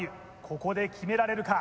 ここで決められるか